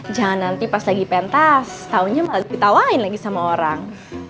jangan nanti pas lagi pentas taunya malah ditawain lagi sama orang